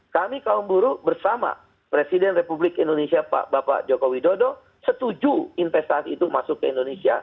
kami kaum buru bersama presiden republik indonesia pak bapak joko widodo setuju investasi itu masuk ke indonesia